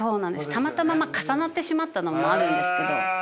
たまたま重なってしまったのもあるんですけど。